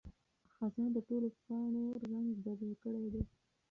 خزان د ټولو پاڼو رنګ بدل کړی دی.